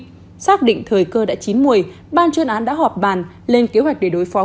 sau khi xác định thời cơ đã chín một mươi ban chuyên án đã họp bàn lên kế hoạch để đối phó